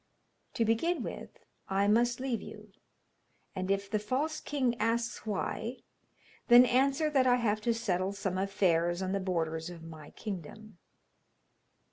To begin with, I must leave you, and if the false king asks why, then answer that I have to settle some affairs on the borders of my kingdom.